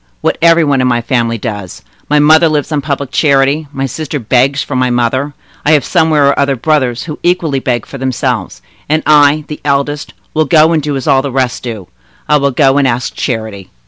What every one in my family does. My mother lives on public charity, my sister begs for my mother; I have, somewhere or other, brothers who equally beg for themselves; and I, the eldest, will go and do as all the rest do—I will go and ask charity!"